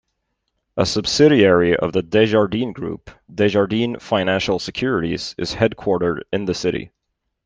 A subsidiary of the Desjardins Group, Desjardins Financial Securities is headquartered in the city.